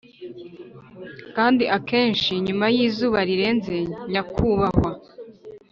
“kandi akenshi nyuma y'izuba rirenze, nyakubahwa,